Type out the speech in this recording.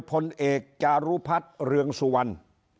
พลเอกจารุพัฒน์เรืองสุวรรณ